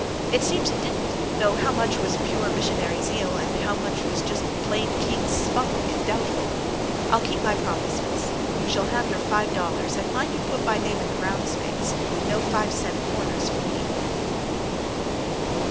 It seems it didn't though how much was pure missionary zeal and how much just plain King spunk I'm doubtful. I'll keep my promise, Miss. You shall have your five dollars, and mind you put my name in the round space. No five cent corners for me."